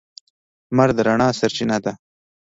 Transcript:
• لمر د رڼا سرچینه ده.